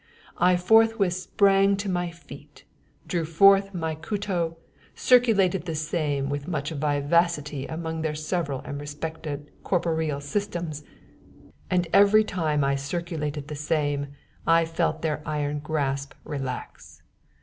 I forthwith sprang to my feet, drew forth my cutto, circulated the same with much vivacity among their several and respective corporeal systems, and every time I circulated the same I felt their iron grasp relax.